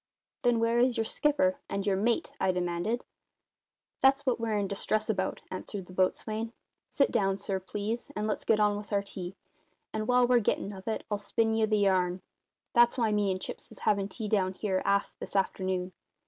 "Then, where is your skipper and your mate?" I demanded. "That's what we're in distress about," answered the boatswain. "Sit down, sir, please, and let's get on with our tea; and while we're gettin' of it I'll spin ye the yarn. That's why me and Chips is havin' tea down here, aft, this afternoon.